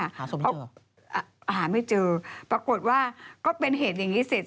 หาสมที่เจอหรอหาไม่เจอปรากฏว่าก็เป็นเหตุอย่างนี้เสร็จ